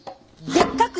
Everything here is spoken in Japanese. でっかく！